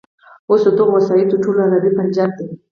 اوس د دغو وسایطو ټولې عرابې پنجر دي.